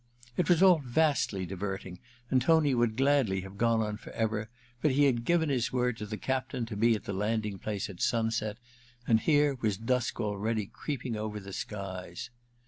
It was all vastly diverting, and Tony would gladly have gone on forever ; but he had given his word to the captain to be at the landing place at sunset, and here was dusk already creep ing over the skies